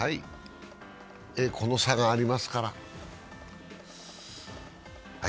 この差がありますから。